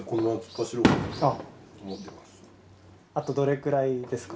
あとどれくらいですか？